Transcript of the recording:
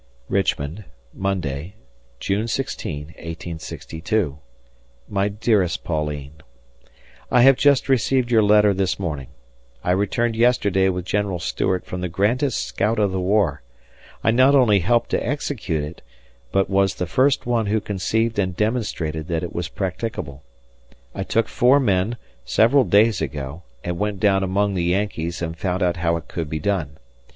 Richmond, Monday, June 16, 1862. My dearest Pauline: I have just received your letter this morning. I returned yesterday with General Stuart from the grandest scout of the war. I not only helped to execute it, but was the first one who conceived and demonstrated that it was practicable. I took four men, several days ago, and went down among the Yankees and found out how it could be done.